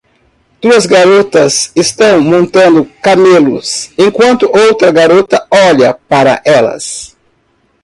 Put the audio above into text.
Duas garotas estão montando camelos enquanto outra garota olha para elas.